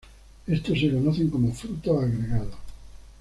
Estos se conocen como frutos agregados.